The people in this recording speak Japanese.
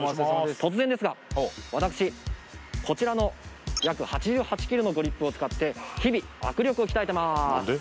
突然ですが私こちらの約８８ｋｇのグリップを使って日々握力を鍛えてまーす